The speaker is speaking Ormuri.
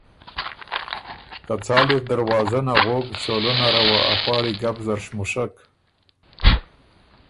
که څال اِر دروازه نغوک چولۀ نره وه ا پاړی ګپ زر شمُوشک